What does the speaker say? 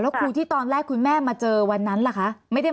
ครูที่ตอนแรกคุณแม่มาเจอวันนั้นล่ะคะ